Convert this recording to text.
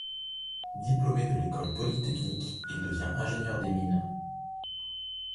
Diplômé de l’École polytechnique, il devient ingénieur des Mines.